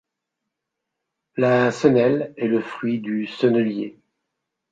La cenelle est le fruit du cenellier.